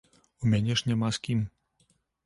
У мяне ж няма з кім.